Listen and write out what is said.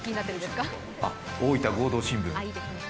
「大分合同新聞」。